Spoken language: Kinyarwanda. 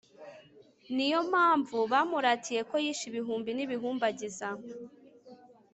Ni yo mpamvu bamuratiye ko yishe ibihumbi n’ibihumbagiza,